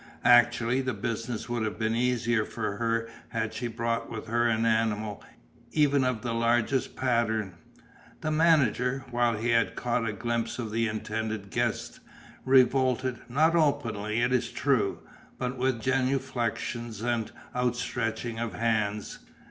Actually, the business would have been easier for her had she brought with her an animal, even of the largest pattern. The manager, when he had caught a glimpse of the intended guest, revolted; not openly, it is true, but with genuflexions and outstretching of hands.